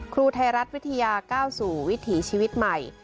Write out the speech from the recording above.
ครูไทยรัฐวิทยาอัฐชาติวิถีชีวิตใหม่